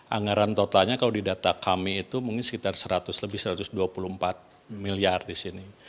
anggaran totalnya kalau di data kami itu mungkin sekitar seratus lebih satu ratus dua puluh empat miliar di sini